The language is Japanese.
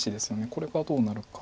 これがどうなるか。